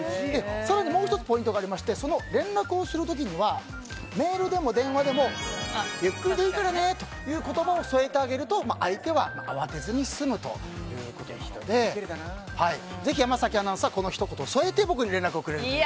更にもう１つポイントがありまして連絡をする時にはメールでも電話でもゆっくりでいいからねという言葉を添えてあげると、相手は慌てずに済むということでぜひ山崎アナウンサーこのひと言を添えて僕に連絡をください。